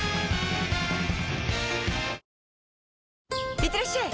いってらっしゃい！